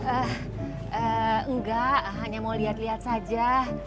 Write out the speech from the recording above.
ehh ee enggak hanya mau liat liat saja